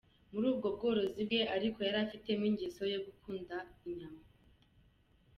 Muri ubwo bworozi bwe ariko yari afitemo n’ingeso yo gukunda inyama.